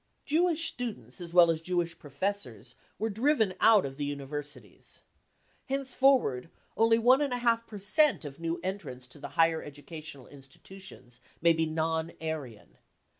Jewish students as well as Jewish professors were driven out of the universities. Henceforward only one and a half per cent of new entrants to the higher educational institu tions may be £C non Aryan.